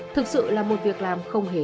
thực sự là một việc làm không hề dễ dàng